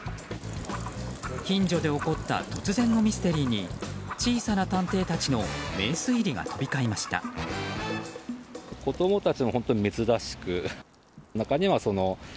近所で起こった突然のミステリーに小さな探偵たちの名推理が飛び交いました。